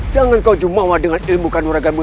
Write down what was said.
jangan kau jumawa dengan ilmu kanoragamu